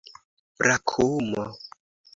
brakumo